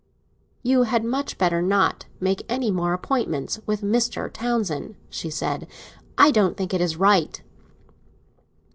"You had much better not make any more appointments with Mr. Townsend," she said. "I don't think it is right."